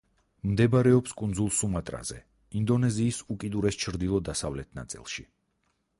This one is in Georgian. მდებარეობს კუნძულ სუმატრაზე, ინდონეზიის უკიდურეს ჩრდილო-დასავლეთ ნაწილში.